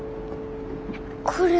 これ。